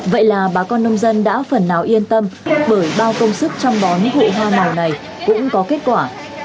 vậy là bà con nông dân đã phần nào yên tâm bởi bao công sức trong bón vụ hoa màu này cũng có kết quả